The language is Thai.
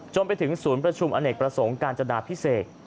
จนถึงศูนย์ประชุมอเนกประสงค์การจดาพิเศษ